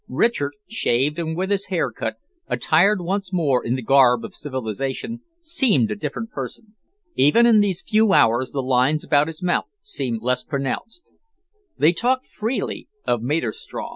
Richard, shaved and with his hair cut, attired once more in the garb of civilisation, seemed a different person. Even in these few hours the lines about his mouth seemed less pronounced. They talked freely of Maderstrom.